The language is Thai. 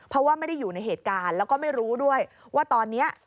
เพราะว่าไม่ได้อยู่ในเหตุการณ์แล้วก็ไม่รู้ด้วยว่าตอนนี้